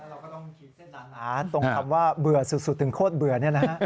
แล้วเราก็ต้องคิดเส้นตาตาตรงคำว่าเบื่อสุดถึงโคตรเบื่อ